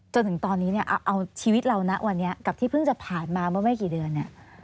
จนถึงตอนนี้เนี่ยเอาชีวิตเรานะวันนี้กับที่เพิ่งจะผ่านมาเมื่อไม่กี่เดือนเนี่ย